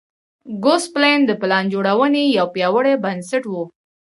ګوسپلن د پلان جوړونې یو پیاوړی بنسټ و